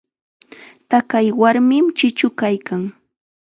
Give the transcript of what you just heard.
Taqay warmim chichu kaykan.